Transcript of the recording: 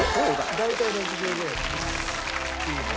大体６秒ぐらいだね。